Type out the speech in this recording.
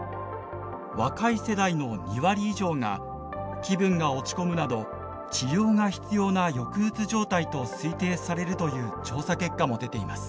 若い世代の２割以上が気分が落ち込むなど「治療が必要な抑うつ状態」と推定されるという調査結果も出ています。